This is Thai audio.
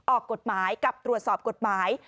ออกกฎหมายกับตรวจสอบกฎหมาย